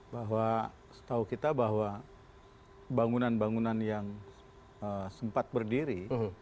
bahwa setahu kita bahwa bangunan bangunan yang sempat berdiri